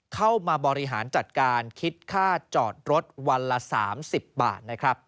เข้ามาบริหารจัดการคิดค่าจอดรถวันละ๓๐บาทนะครับ